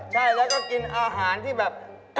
ใช่แล้วก็กินอาหารที่แบบ